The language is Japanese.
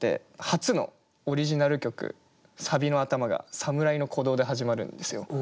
初のオリジナル曲サビの頭が「侍の鼓動」で始まるんですよ。